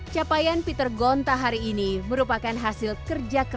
saya lupa loh mencuri